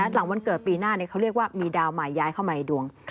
หลังวันเกิดปีหน้าเขาเรียกว่ามีดาวใหม่ย้ายเข้ามาในดวง